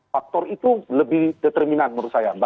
faktor itu lebih determinan menurut saya mbak